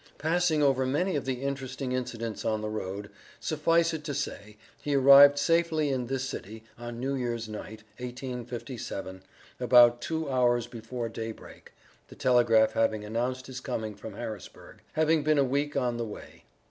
Passing over many of the interesting incidents on the road, suffice it to say, he arrived safely in this city, on New Year's night, 1857, about two hours before day break (the telegraph having announced his coming from Harrisburg), having been a week on the way.